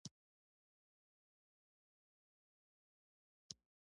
پیاز اکثره وخت له غوړو سره پخېږي